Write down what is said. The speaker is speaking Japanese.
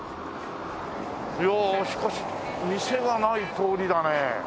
いやしかし店がない通りだね。